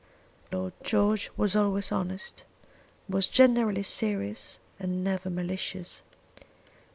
Lord George was always honest, was generally serious, and never malicious.